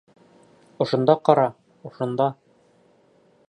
Ошонда ҡара, ошонда!